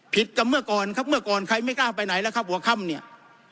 ผิดกับเมื่อก่อนครับเมื่อก่อนใครไม่กล้าไปไหนแล้วครับหัวค่ำเนี่ย